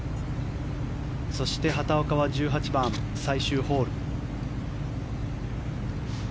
そして畑岡は１８番最終ホール。